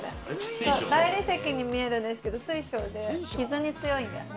大理石に見えるんですけど水晶で傷に強いんだよね。